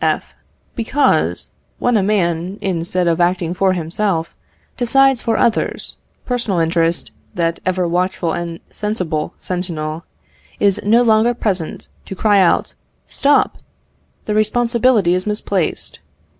F. Because, when a man, instead of acting for himself, decides for others, personal interest, that ever watchful and sensible sentinel, is no longer present to cry out, "Stop! the responsibility is misplaced."